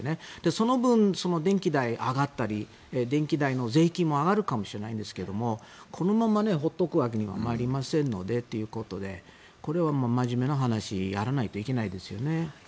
その分、電気代が上がったり電気代の税金も上がるかもしれないんですがこのまま放っておくわけにはまいりませんのでということでこれは真面目な話やらないといけないですよね。